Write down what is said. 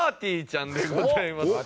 ちゃんでございます。